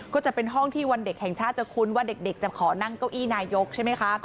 ก็จะเป็นห้องที่วันเด็กแห่งชาติจะคุ้นว่าเด็กจะขอนั่งเก้าอี้นายกใช่ไหมคะ